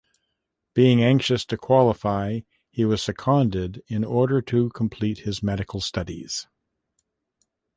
Being anxious to qualify, he was seconded in order to complete his medical studies.